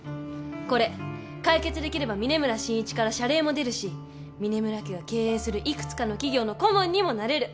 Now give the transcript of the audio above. これ解決できれば嶺村信一から謝礼も出るし嶺村家が経営するいくつかの企業の顧問にもなれる。